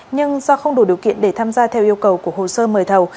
nhưng do không đủ điều kiện để tham gia theo yêu cầu của hồ sơ mời thầu